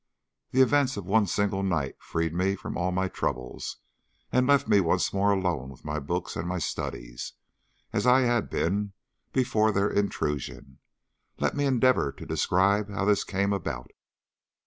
The events of one single night freed me from all my troubles, and left me once more alone with my books and my studies, as I had been before their intrusion. Let me endeavour to describe how this came about.